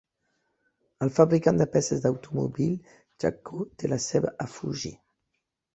El fabricant de peces d'automòbils Jatco té la seu a Fuji.